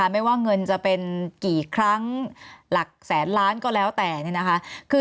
ไม่ว่าเงินจะเป็นกี่ครั้งหลักแสนล้านก็แล้วแต่